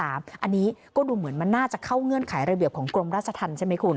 อันนี้ก็ดูเหมือนมันน่าจะเข้าเงื่อนไขระเบียบของกรมราชธรรมใช่ไหมคุณ